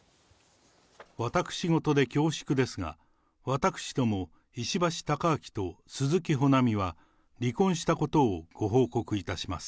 私事で恐縮ですが、私ども、石橋貴明と鈴木保奈美は離婚したことをご報告いたします。